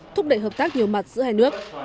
thúc đẩy hợp tác nhiều mặt giữa hai nước